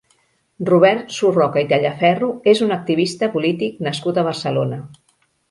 Robert Surroca i Tallaferro és un activista polític nascut a Barcelona.